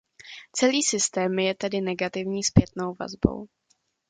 Celý systém je tedy negativní zpětnou vazbou.